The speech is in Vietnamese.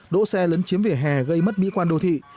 đỗ xe lấn chiếm vỉa hè gây mất mỹ quan đô thị